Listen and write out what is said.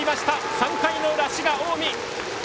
３回の裏、滋賀・近江。